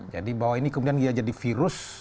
jadi bahwa ini kemudian dia jadi virus